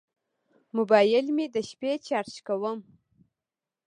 موبایل مې د شپې چارج کوم.